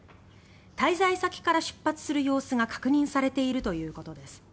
滞在先から出発する様子が確認されているということです。